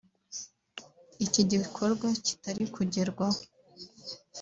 iki gikorwa kitari kugerwaho